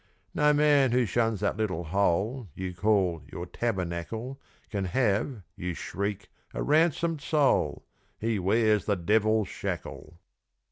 No man who shuns that little hole You call your tabernacle Can have, you shriek, a ransomed soul He wears the devil's shackle.